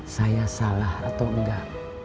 saya salah atau enggak